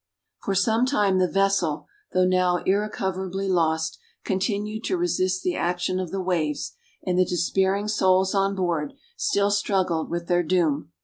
For some time the vessel, though now irrecoverably lost, continued to resist the action of the waves, and the despairing souls on board still struggled with their doom.